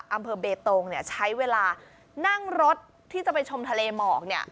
อำเภอเบตงใช้เวลานั่งรถที่จะไปชมทะเลหมอกเนี่ย